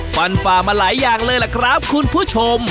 ฟันฝ่ามาหลายอย่างเลยล่ะครับคุณผู้ชม